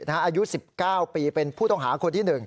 อายุ๑๙ปีเป็นผู้ต้องหาคนที่๑